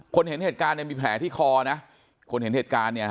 เห็นเหตุการณ์เนี่ยมีแผลที่คอนะคนเห็นเหตุการณ์เนี่ย